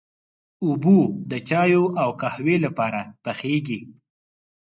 اوبه د چايو او قهوې لپاره پخېږي.